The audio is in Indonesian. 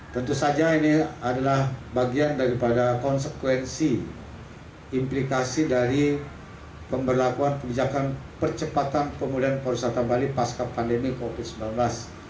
tentu saja ini adalah bagian daripada konsekuensi implikasi dari pemberlakuan kebijakan percepatan pemulihan perusahaan bali pasca pandemi covid sembilan belas